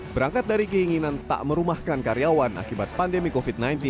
berangkat dari keinginan tak merumahkan karyawan akibat pandemi covid sembilan belas